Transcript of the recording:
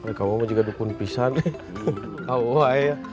ya dia juga dukun pisah nih